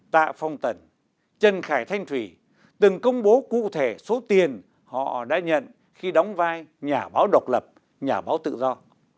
tạ phong tần trần khải thanh thủy từng công bố cụ thể số tiền họ đã nhận khi đóng vai nhà báo độc lập nhà báo tự do